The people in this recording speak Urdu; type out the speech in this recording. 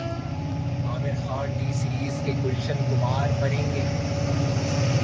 عامر خان ٹی سیریز کے گلشن کمار بنیں گے